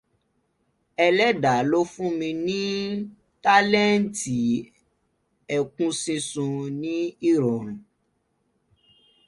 Ẹlẹ́dàá ló fún mi ní tálẹǹtì ẹ̀kún sísun ní ìrọ̀rùn.